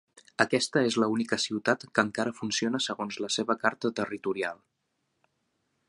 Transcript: Aquesta és la única ciutat que encara funciona segons la seva carta territorial.